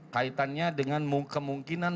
kaitannya dengan kemungkinan